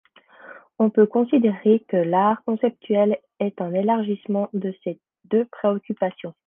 On peut considérer que l'art conceptuel est un élargissement de ces deux préoccupations.